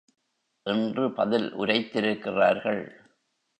என்று பதில் உரைத்திருக்கிறார்கள்.